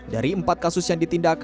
dari empat kasus yang ditindak